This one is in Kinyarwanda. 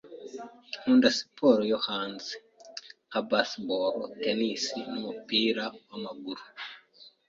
Nkunda siporo yo hanze, nka baseball, tennis numupira wamaguru.